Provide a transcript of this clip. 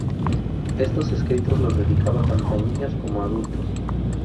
Estos escritos los dedicaba tanto a niños como adultos.